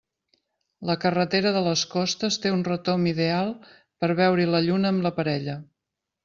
La carretera de les Costes té un retomb ideal per veure-hi la lluna amb la parella.